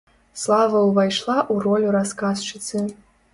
Слава ўвайшла ў ролю расказчыцы.